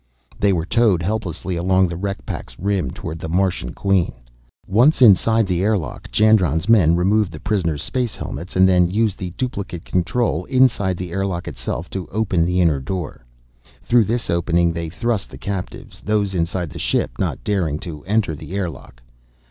They were towed helplessly along the wreck pack's rim toward the Martian Queen. Once inside its airlock, Jandron's men removed the prisoners' space helmets and then used the duplicate control inside the airlock itself to open the inner door. Through this opening they thrust the captives, those inside the ship not daring to enter the airlock.